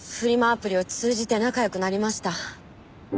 アプリを通じて仲良くなりました。